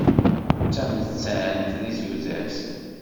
D tamettan di tudert.